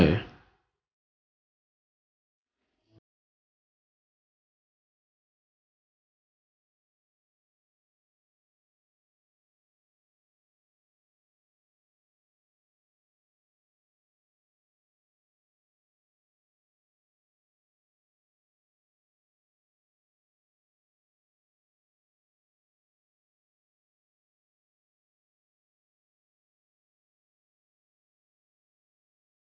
tidak ada apa apa